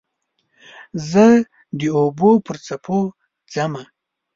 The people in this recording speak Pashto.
زه د اوبو پر څپو ځمه